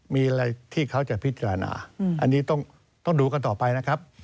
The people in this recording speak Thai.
มีอันที่เค้าฉันพิจารณีนะอันนี้ต้องดูกันต่อไปนะครับ